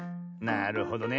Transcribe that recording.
なるほどね。